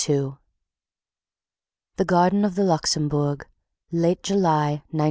II The Garden of the Luxembourg, Late July 1914.